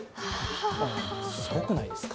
すごくないですか。